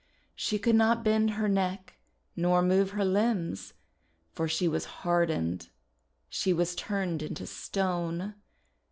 She could not bend her neck nor move her limbs, for she was hard ened; she was turned into stone.